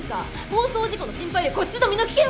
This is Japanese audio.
放送事故の心配よりこっちの身の危険は！？